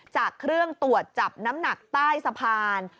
จากเครื่องตรวจจับน้ำหนักใต้สะพาน